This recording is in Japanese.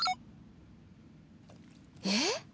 えっ？